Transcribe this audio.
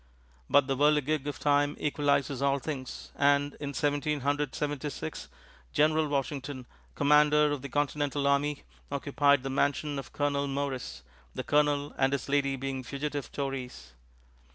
But the whirligig of time equalizes all things, and, in Seventeen Hundred Seventy six, General Washington, Commander of the Continental Army, occupied the mansion of Colonel Morris, the Colonel and his lady being fugitive Tories.